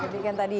jadi kan tadi